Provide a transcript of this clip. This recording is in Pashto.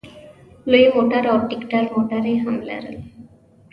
لوی موټر او ټیکټر موټر یې هم لرل.